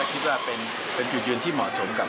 แต่ถ้าเกิดหลังเลือกตั้ง